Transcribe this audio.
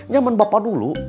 zaman bapak dulu